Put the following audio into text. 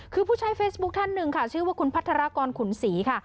คือผู้ใช้เฟซบุ๊คท่านหนึ่งค่ะชื่อว่าคุณพัฒนากรขุนศรีค่ะ